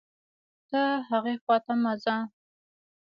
ته هاغې خوا ته مه ځه